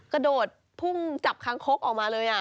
กระโดดพุ่งจับคางคกออกมาเลย